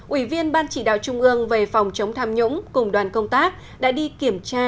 ủy viên ban chỉ đạo trung ương về phòng chống tham nhũng cùng đoàn công tác đã đi kiểm tra